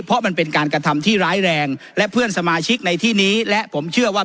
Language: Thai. เพราะมันเป็นการกระทำที่ร้ายแรงและเพื่อนสมาชิกในที่นี้และผมเชื่อว่า